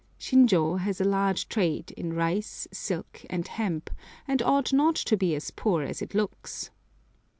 Shinjô has a large trade in rice, silk, and hemp, and ought not to be as poor as it looks.